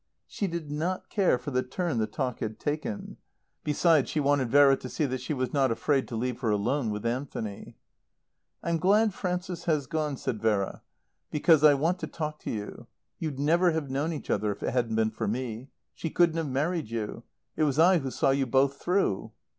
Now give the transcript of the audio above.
She did not care for the turn the talk had taken. Besides, she wanted Vera to see that she was not afraid to leave her alone with Anthony. "I'm glad Frances has gone," said Vera, "because I want to talk to you. You'd never have known each other if it hadn't been for me. She couldn't have married you. It was I who saw you both through."